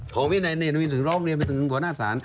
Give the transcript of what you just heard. ของวินัยเนี่ยถึงร้องเรียนเป็นของหัวหน้าศาล